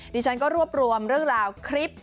ดิฉันก็รวบรวมเรื่องราวคลิป